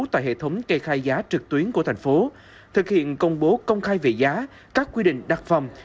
tại hệ thống kê khai giá trực tuyến của thành phố thực hiện công bố công khai về giá các quy định đặt phòng